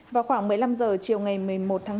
vào khoảng một mươi năm h chiều ngày một mươi một tháng năm